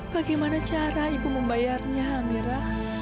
bagaimana cara ibu membayarnya mira